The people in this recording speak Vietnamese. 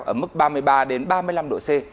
ở mức ba mươi ba ba mươi năm độ c